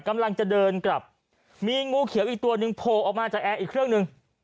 กำลังจะเดินกลับมีงูเขียวอีกตัวหนึ่งโผล่ออกมาจากแอร์อีกเครื่องหนึ่ง